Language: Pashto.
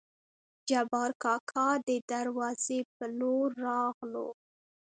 جبارکاکا دې دروازې په لور راغلو.